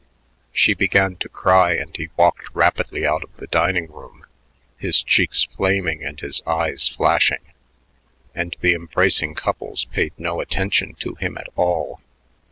She began to cry, and he walked rapidly out of the dining room, his cheeks flaming and his eyes flashing; and the embracing couples paid no attention to him at all.